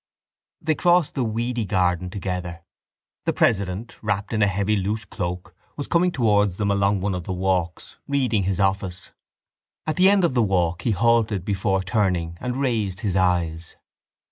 They crossed the weedy garden together. The president, wrapped in a heavy loose cloak, was coming towards them along one of the walks, reading his office. At the end of the walk he halted before turning and raised his eyes.